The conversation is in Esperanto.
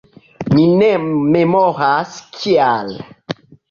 Mi ne memoras, kial.